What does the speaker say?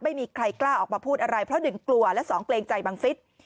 ไม่มีใครกล้าออกมาพูดอะไรเพราะหนึ่งกลัวและสองเกรงใจบังฟิศ